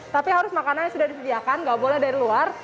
terus makanannya sudah disediakan tidak boleh dari luar